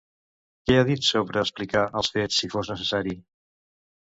Què ha dit sobre explicar els fets si fos necessari?